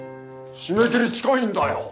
締め切り近いんだよ！